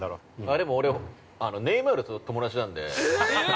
でも、俺、ネイマールと友達なんで。